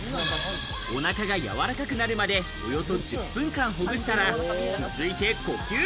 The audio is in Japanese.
おなかが柔らかくなるまでおよそ１０分間ほぐしたら、続いて呼吸。